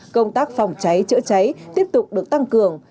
công tác phòng cháy chữa cháy tiếp tục được tăng cường